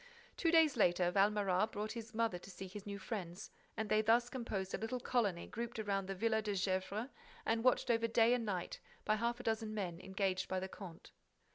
Two days later, Valméras brought his mother to see his new friends and they thus composed a little colony grouped around the Villa de Gesvres and watched over day and night by half a dozen men engaged by the comte.